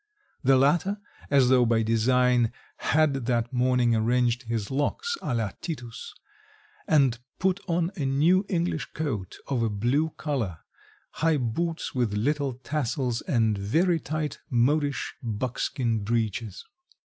The latter, as though by design, had that morning arranged his locks à la Titus, and put on a new English coat of a blue colour, high boots with little tassels and very tight modish buckskin breeches.